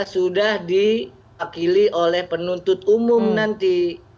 sudah diwakili oleh penuntut umum nanti